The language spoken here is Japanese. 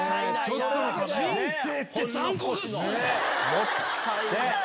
もったいない！